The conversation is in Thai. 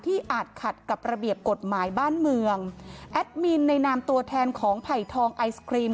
อาจขัดกับระเบียบกฎหมายบ้านเมืองแอดมินในนามตัวแทนของไผ่ทองไอศครีม